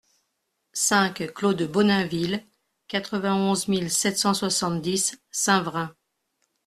cinq clos de Bonainville, quatre-vingt-onze mille sept cent soixante-dix Saint-Vrain